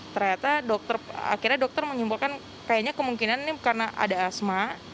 ternyata dokter akhirnya dokter menyimpulkan kayaknya kemungkinan ini karena ada asma